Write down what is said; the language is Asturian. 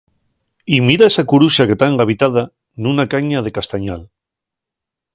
Y mira esa curuxa que ta engabitada nuna caña de castañal.